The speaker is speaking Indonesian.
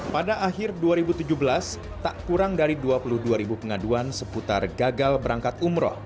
pada akhir dua ribu tujuh belas tak kurang dari dua puluh dua ribu pengaduan seputar gagal berangkat umroh